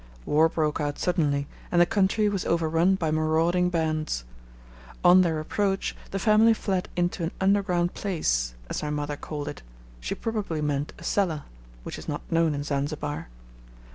War broke out suddenly, and the country was overrun by marauding bands. On their approach, the family fled into an underground place, as my mother called it she probably meant a cellar, which is not known in Zanzibar.